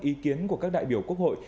ý kiến của các đại biểu quốc hội